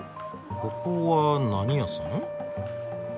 ここは何屋さん？